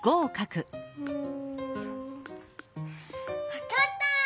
わかった！